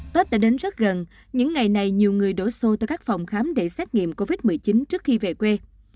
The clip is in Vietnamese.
tết đã đến rất gần những ngày này nhiều người đổ xô tới các phòng khám để xét nghiệm covid một mươi chín trước khi về quê